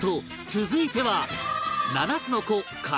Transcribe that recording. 続いては